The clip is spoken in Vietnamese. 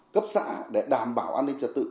cấp xã để đảm bảo an ninh trật tự